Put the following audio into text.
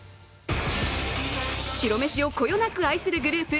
白めしをこよなく愛するグループ